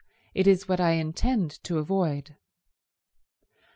"It is what I intend to avoid."